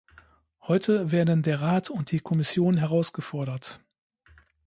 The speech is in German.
Heute werden der Rat und die Kommission herausgefordert.